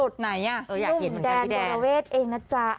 อยากเห็นเหมือนกันพี่แดน